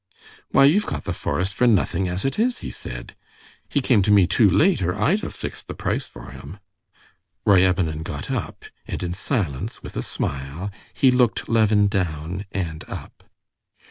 "Why, you've got the forest for nothing as it is," he said. "He came to me too late, or I'd have fixed the price for him." Ryabinin got up, and in silence, with a smile, he looked Levin down and up.